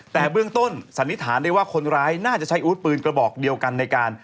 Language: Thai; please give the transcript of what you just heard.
แต่เบื้องต้นสันนิษฐานได้ว่าคนร้ายน่าจะใช้อาวุธปืนกระบอกเดียวกันในการ